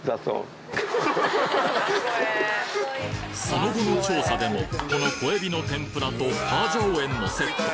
その後の調査でもこの小エビの天ぷらと花椒塩のセット